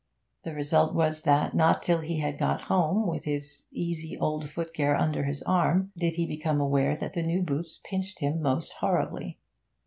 The result was that not till he had got home, with his easy old footgear under his arm, did he become aware that the new boots pinched him most horribly.